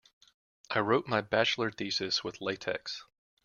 I wrote my bachelor thesis with latex.